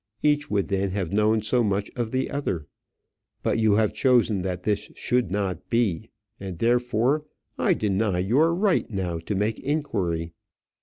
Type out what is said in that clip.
Each would then have known so much of the other. But you have chosen that this should not be; and, therefore, I deny your right now to make inquiry.